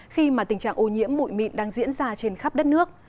khi mà tình trạng ô nhiễm bụi mịn đang diễn ra trên khắp đất nước